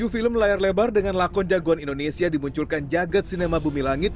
tujuh film layar lebar dengan lakon jagoan indonesia dimunculkan jagad sinema bumi langit